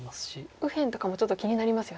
右辺とかもちょっと気になりますよね。